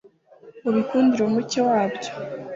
ubikundire umucyo wabyo